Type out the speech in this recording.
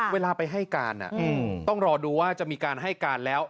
เวลาไปให้การต้องรอดูว่าจะมีการให้การแล้ว